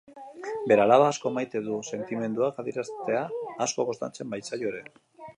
Bere alaba asko maite du, sentimenduak adieraztea asko kostatzen bazaio ere.